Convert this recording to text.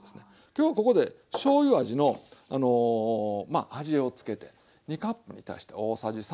今日ここでしょうゆ味の味をつけて２カップに対して大さじ３ですわ。